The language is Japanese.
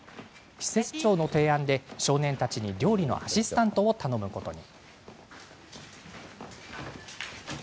施設長の提案で少年たちに調理のアシスタントを頼むことに。